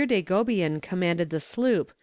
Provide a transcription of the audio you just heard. de Gobien commanded the sloop, M.